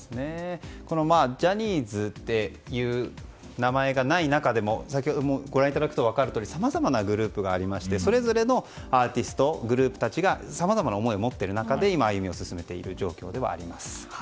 ジャニーズっていう名前がない中でもご覧いただくと分かるようにさまざまなグループがありましてそれぞれのアーティストグループたちがさまざまな思いを持つ中で今、歩みを進めている状況ではあります。